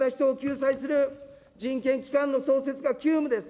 人権侵害を受けた人を救済する人権機関の創設が急務です。